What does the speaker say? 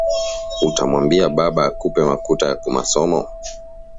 Uta mwambia baba akupe makuta ya kumasomo